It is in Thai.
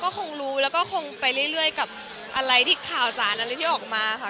ก็คงรู้แล้วก็คงไปเรื่อยกับอะไรที่ข่าวสารอะไรที่ออกมาค่ะ